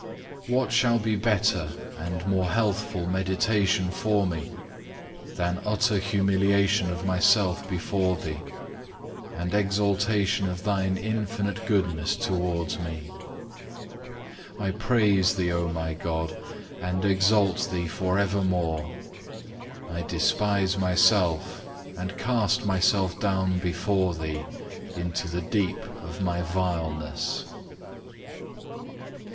What shall be better and more healthful meditation for me, than utter humiliation of myself before Thee, and exaltation of Thine infinite goodness towards me? I praise Thee, O my God, and exalt Thee for evermore. I despise myself, and cast myself down before Thee into the deep of my vileness.